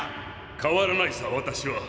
変わらないさ私は。